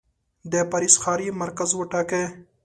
د پاریس ښار یې مرکز وټاکه.